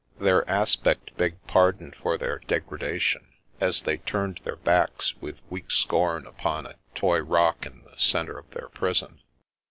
Their aspect begged pardon for their degra dation, as they turned their backs with weak scorn upon a toy rock in the centre of their prison.